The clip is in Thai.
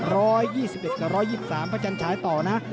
ร้อยยี่สิบเอ็ดแบบร้อยยี่สิบสามพระจังฉายต่อนั้น